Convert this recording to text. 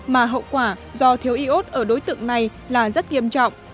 mà hậu quả do thiếu y ốt ở đối tượng này là rất nghiêm trọng